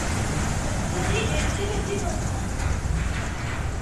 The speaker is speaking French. Cette série est inédite en France.